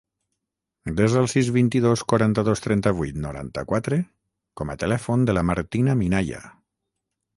Desa el sis, vint-i-dos, quaranta-dos, trenta-vuit, noranta-quatre com a telèfon de la Martina Minaya.